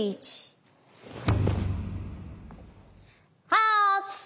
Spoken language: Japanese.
はい。